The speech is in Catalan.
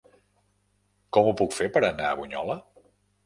Com ho puc fer per anar a Bunyola?